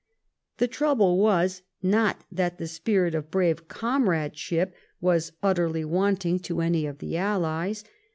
The trouble was not that the spirit of brave comradeelhip was utterly wanting to any of the allies.